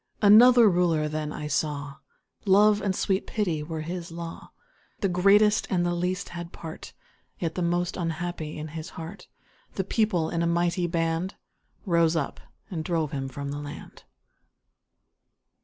Another Ruler then I saw Love and sweet Pity were his law: The greatest and the least had part (Yet most the unhappy) in his heart The People, in a mighty band, Rose up, and drove him from the land!